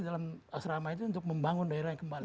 dalam asrama itu untuk membangun daerah yang kembali